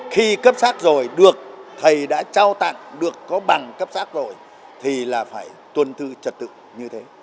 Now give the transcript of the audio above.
khi cấp xác rồi được thầy đã trao tặng được có bằng cấp sắc rồi thì là phải tuân thư trật tự như thế